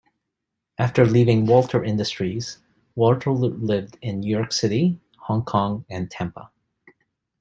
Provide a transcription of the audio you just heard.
After leaving Walter Industries, Walter lived in New York City, Hong Kong, and Tampa.